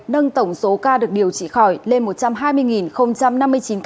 nâng tổng số ca được điều trị khỏi lên một trăm hai mươi năm mươi chín ca